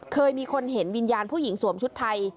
เคยมีคนเห็นวิญญาณผู้หญิงสวมชุดไทย